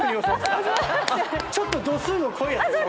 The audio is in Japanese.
ちょっと度数の濃いやつでしょ。